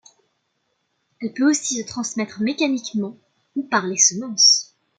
Elle peut aussi se transmettre mécaniquement ou par les semences.